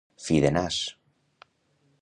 Fi de nas.